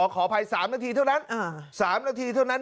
ขออภัย๓นาทีเท่านั้น๓นาทีเท่านั้น